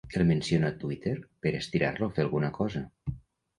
El menciono a Twitter per estirar-lo a fer alguna cosa.